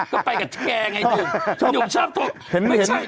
ก็ไปกับแชร์ไงดูหยุดชอบตก